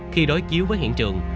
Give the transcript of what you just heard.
khi đối chiếu với hiện trường